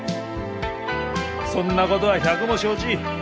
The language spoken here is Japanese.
そんなことは百も承知。